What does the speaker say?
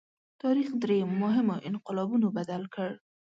تاریخ درې مهمو انقلابونو بدل کړ.